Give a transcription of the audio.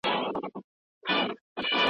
څوک د کرې لپاره بل ته سوال کوینه